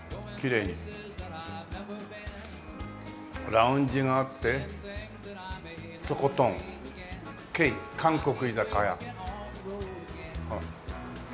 ラウンジがあって「とことん」「けい」「韓国居酒屋」。